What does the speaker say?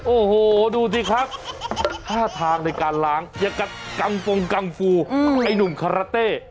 โอ้โฮดูสิครับ๕ทางได้การล้างอย่ากับกังฟงกังฟูไอ้หนุ่มคาราเต้